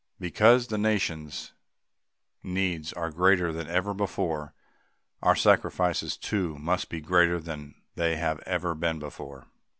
Because the nation's needs are greater than ever before, our sacrifices too must be greater than they have ever been before.